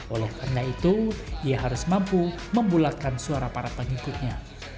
oleh karena itu ia harus mampu membulatkan suara para pengikutnya